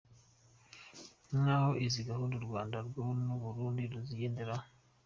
Ni nk’aho izi gahunda u Rwanda rwo n’ubundi ruzigenderamo.